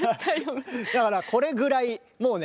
だからこれぐらいもうね